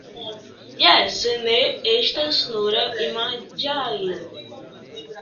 Jes, se ne estas nura imagaĵo.